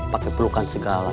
pake pelukan segala